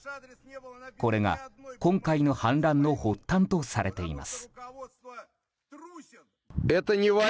これが今回の反乱の発端とされています。